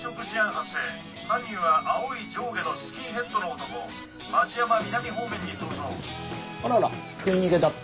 発生犯人は青い上下のスキンヘッドの男町山南方面に逃走。